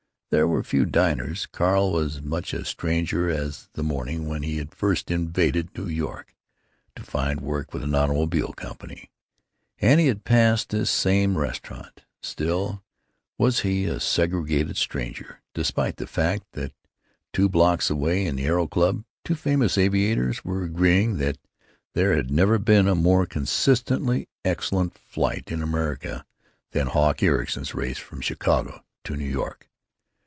There were few diners. Carl was as much a stranger as on the morning when he had first invaded New York, to find work with an automobile company, and had passed this same restaurant; still was he a segregated stranger, despite the fact that, two blocks away, in the Aero Club, two famous aviators were agreeing that there had never been a more consistently excellent flight in America than Hawk Ericson's race from Chicago to New York.